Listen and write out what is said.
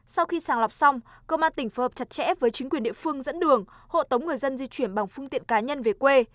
sau khi sàng lọc xong công an tỉnh phối hợp chặt chẽ với chính quyền địa phương dẫn đường hộ tống người dân di chuyển bằng phương tiện cá nhân về quê